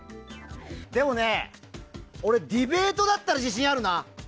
でもね、俺ディベートだったら自信あるな。